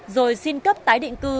rồi xin cấp tái định cư